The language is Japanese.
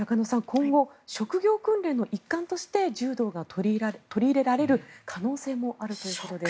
今後、職業訓練の一環として柔道が取り入れられる可能性もあるということです。